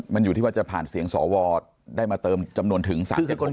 มันอยู่ที่ว่าจะผ่านเสียงสวได้มาเติมจำนวนถึง๓๐คน